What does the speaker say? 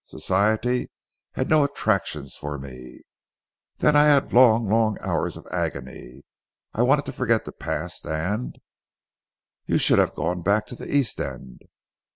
Society had no attractions for me. So then I had long long hours of agony. I wanted to forget the past, and" "You should have gone back to the East End."